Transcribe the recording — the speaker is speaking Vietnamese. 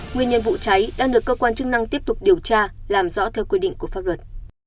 nguyên nhân vụ cháy đang được cơ quan chức năng tiếp tục điều tra làm rõ theo quy định của pháp luật